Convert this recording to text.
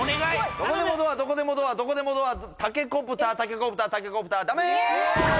どこでもドアどこでもドアどこでもドアタケコプタータケコプタータケコプターダメ！